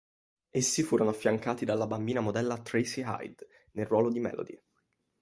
Essi furono affiancati dalla bambina modella Tracy Hyde nel ruolo di Melody.